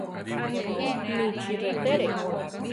Michi rétere.